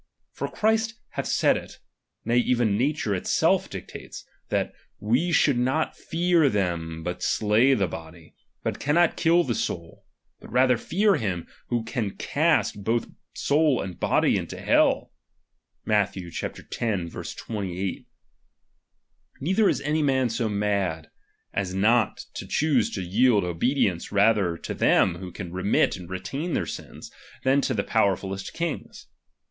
For Christ hath said it, nay even nature itself dictates, that we should not fear them who slay the hody, but cannot bill the soul ; hut rather fear him, who can cast both soul and body into hell (Matth. X. 28). Neither is any man so mad, as not to choose to yield obedience rather to them who can remit and retain their sins, than to the powerfulest kings.